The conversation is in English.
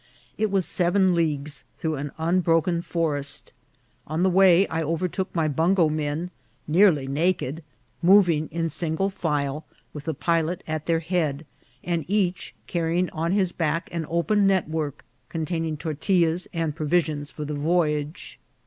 It was seven leagues, through an unbroken forest. On the way I overtook my bungo men, nearly naked, moving in sin gle file, with the pilot at their head, and each carrying on his back an open network containing tortillas and provisions for the voyage.